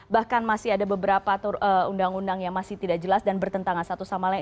bahkan masih ada beberapa undang undang yang masih tidak jelas dan bertentangan satu sama lain